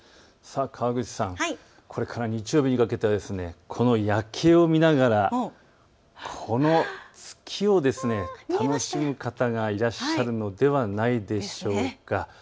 川口さん、これから日曜日にかけてはこの夜景を見ながらこの月を楽しむ方がいらっしゃるのではないでしょうか。